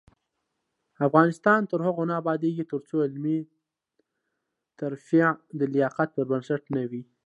افغانستان تر هغو نه ابادیږي، ترڅو علمي ترفیع د لیاقت پر بنسټ نه وي.